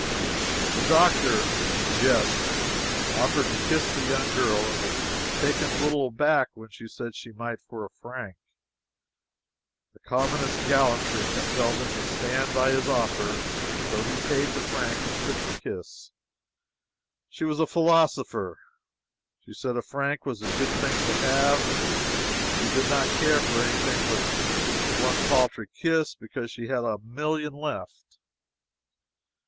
The doctor, in jest, offered to kiss the young girl, and was taken a little aback when she said he might for a franc! The commonest gallantry compelled him to stand by his offer, and so he paid the franc and took the kiss. She was a philosopher. She said a franc was a good thing to have, and she did not care any thing for one paltry kiss, because she had a million left.